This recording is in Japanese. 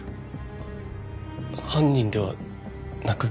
犯人ではなく？